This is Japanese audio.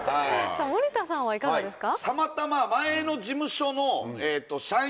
森田さんはいかがですか？